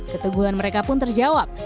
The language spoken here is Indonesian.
keteguhan mereka pun terjawab